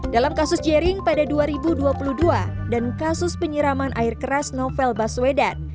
dalam kasus jering pada dua ribu dua puluh dua dan kasus penyiraman air keras novel baswedan